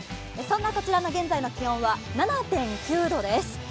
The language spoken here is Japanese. そんなこちらの現在の気温は７．９度です。